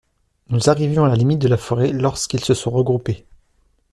Nous arrivions à la limite de la forêt lorsqu’ils se sont regroupés.